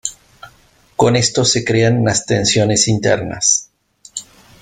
Con esto se crean unas tensiones internas.